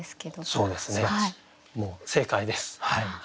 そうですね正解です。